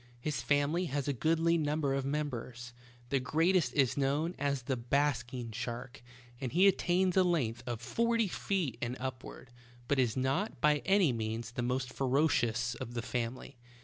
His family has a goodly number of members. The greatest is known as the ''basking shark," and he attains a length of forty feet and upward, but is not, by any means, the most ferocious of the fam ily.